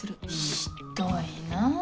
ひっどいな。